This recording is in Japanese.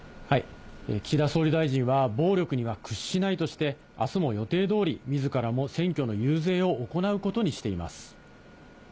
岸田総理大臣は暴力には屈しないとして、あすも予定どおり、みずからも選挙の遊説を行うことにしています。